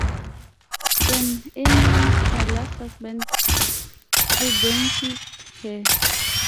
Sam Ainley, her last husband, predeceased her.